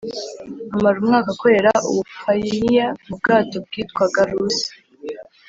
amara umwaka akorera ubupayiniya mu bwato bwitwaga Rusi